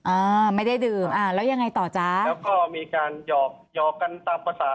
อ่าไม่ได้ดื่มอ่าแล้วยังไงต่อจ๊ะแล้วก็มีการหยอกหยอกกันตามภาษา